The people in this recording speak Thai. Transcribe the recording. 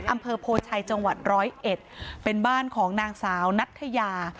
อำเภอโพชัยจังหวัดร้อยเอ็ดเป็นบ้านของนางสาวนัทยา